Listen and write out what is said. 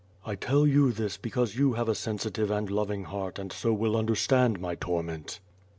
I tell you this because you have a sensitive and loving heart and so will understand my torment.